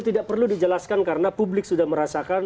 tidak perlu dijelaskan karena publik sudah merasakan